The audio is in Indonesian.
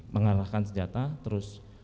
mengalahkan senjata terus